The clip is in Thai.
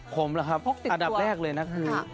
ผมล่ะครับอันดับแรกเลยนะคือ